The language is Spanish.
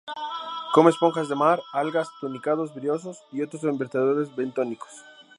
Come esponjas de mar, algas, tunicados, briozoos y otros invertebrados bentónicos.